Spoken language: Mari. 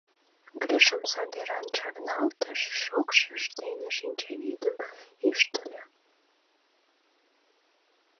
Гриш омса деран чарналтыш, шокшыж дене шинчавӱдым ӱштыльӧ.